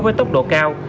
với tốc độ cao